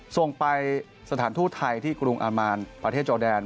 ส่งไปสถานทูตไทยที่กรุงอามานประเทศจอแดน